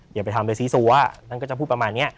อย่าไปทำเลยซีซัวท่านก็จะพูดประมาณนี้